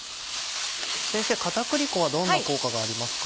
先生片栗粉はどんな効果がありますか？